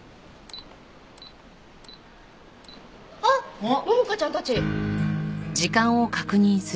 あっ桃香ちゃんたち！